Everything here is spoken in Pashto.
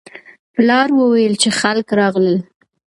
پلار وویل چې خلک راغلل.